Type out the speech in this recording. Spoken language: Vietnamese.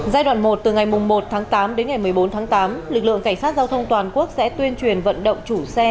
giai đoạn một từ ngày một tháng tám đến ngày một mươi bốn tháng tám lực lượng cảnh sát giao thông toàn quốc sẽ tuyên truyền vận động chủ xe